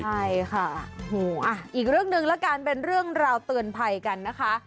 ใช่ค่ะอีกเรื่องหนึ่งแล้วกันเป็นเรื่องราวเตือนภัยกันนะคะ